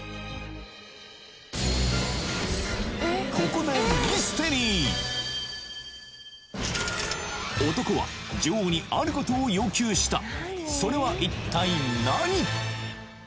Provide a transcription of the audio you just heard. ここでミステリー男は女王にあることを要求したそれは一体何？